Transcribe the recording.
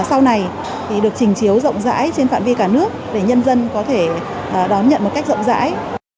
sau này được trình chiếu rộng rãi trên phạm vi cả nước để nhân dân có thể đón nhận một cách rộng rãi